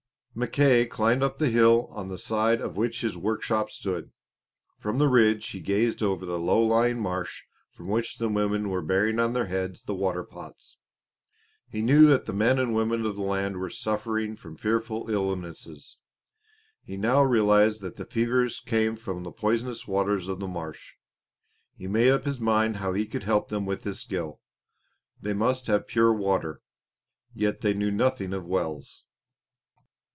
Mackay climbed up the hill on the side of which his workshop stood. From the ridge he gazed over the low lying marsh from which the women were bearing on their heads the water pots. He knew that the men and women of the land were suffering from fearful illnesses. He now realised that the fevers came from the poisonous waters of the marsh. He made up his mind how he could help them with his skill. They must have pure water; yet they knew nothing of wells.